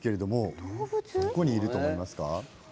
どこにいると思いますか？